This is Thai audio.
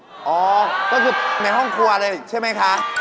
อ๋อก็คือในห้องครัวเลยใช่ไหมคะ